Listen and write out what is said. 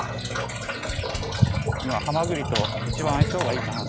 今ハマグリと一番相性がいいかなと。